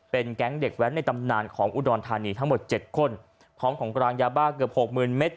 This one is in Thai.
แก๊งเด็กแว้นในตำนานของอุดรธานีทั้งหมดเจ็ดคนพร้อมของกลางยาบ้าเกือบหกหมื่นเมตร